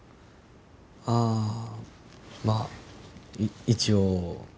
ああまあ一応。